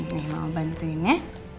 nih mama bantuin ya